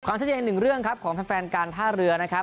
ชัดเจนอีกหนึ่งเรื่องครับของแฟนการท่าเรือนะครับ